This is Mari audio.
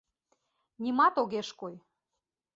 Нимат огеш кой.